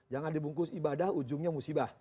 jangan dibungkus ibadah ujungnya musibah